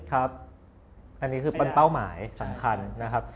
ครับอันนี้คือเป็นเป้าหมายสำคัญนะครับ